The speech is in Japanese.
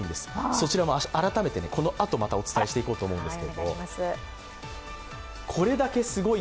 そちらも改めてまたこのあとお伝えしていこうと思います。